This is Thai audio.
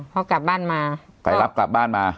เขากลับบ้านมาไปรับกลับบ้านมา